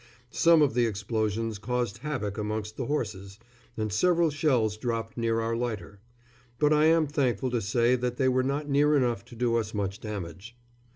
Some of the explosions caused havoc amongst the horses, and several shells dropped near our lighter; but I am thankful to say that they were not near enough to do us much damage.